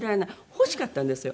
欲しかったんですよ。